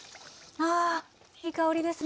あいい香りですね。